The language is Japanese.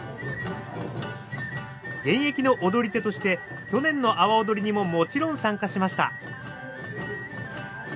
現役の踊り手として去年の阿波踊りにももちろん参加しました。